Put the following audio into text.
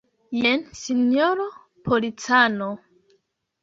Jen, sinjoro policano.